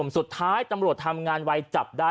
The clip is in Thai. สุดท้ายตำรวจทำงานไวจับได้